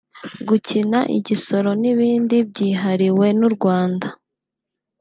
gukina igisoro n’ibindi byihariwe n’u Rwanda